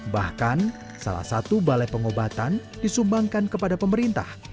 bahkan salah satu balai pengobatan disumbangkan kepada pemerintah